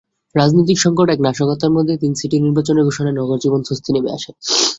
রাজনৈতিক সংকট এবং নাশকতার মধ্যে তিন সিটির নির্বাচনের ঘোষণায় নগরজীবনে স্বস্তি নেমে আসে।